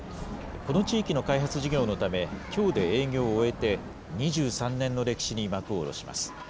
この地域の開発事業のため、きょうで営業を終えて、２３年の歴史に幕を下ろします。